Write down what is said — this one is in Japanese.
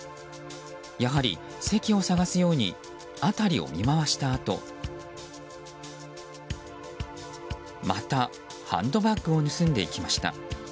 やはり、席を探すように辺りを見回したあとまた、ハンドバッグを盗んでいきました。